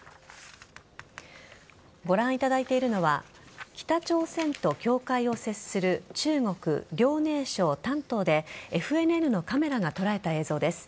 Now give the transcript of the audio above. ご覧いただいているのは北朝鮮と境界を接する中国・遼寧省丹東でＦＮＮのカメラが捉えた映像です。